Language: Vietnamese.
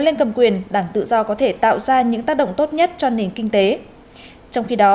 lên cầm quyền đảng tự do có thể tạo ra những tác động tốt nhất cho nền kinh tế trong khi đó